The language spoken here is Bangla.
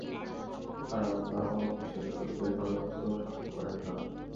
আর আল্লাহ্ বিশ্বাসঘাতকদের ষড়যন্ত্র সফল করেন না।